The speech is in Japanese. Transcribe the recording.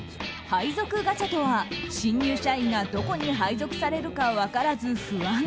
配属ガチャとは新入社員がどこに配属されるか分からず不安。